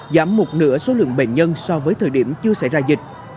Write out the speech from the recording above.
giảm một nửa số lượng bệnh nhân so với thời điểm chưa xảy ra dịch